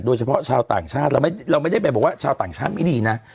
โดยเฉพาะชาวต่างชาติเราไม่ได้ไปบอกว่าชาวต่างชาติไม่ดีนะ